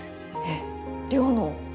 えっ稜の？